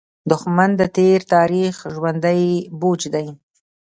دښمن د تېر تاریخ ژوندى بوج دی